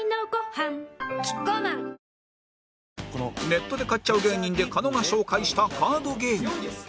ネットで買っちゃう芸人で狩野が紹介したカードゲーム